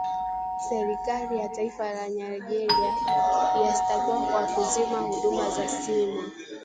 Serikali ya taifa la Nigeria yashtakiwa kwa kuzima huduma za simu